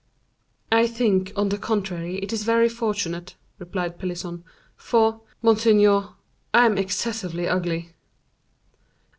"I think, on the contrary, it is very fortunate," replied Pelisson, "for, monseigneur, I am excessively ugly."